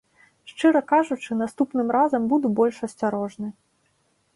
Шчыра кажучы, наступным разам буду больш асцярожны.